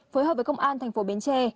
phối hợp với công an thành phố bến tre